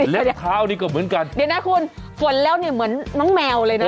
แล้วเช้านี้ก็เหมือนกันเดี๋ยวนะคุณฝนแล้วเนี่ยเหมือนน้องแมวเลยนะ